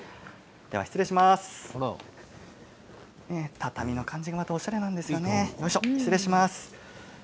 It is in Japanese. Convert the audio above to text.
畳の感じがまた、おしゃれですね。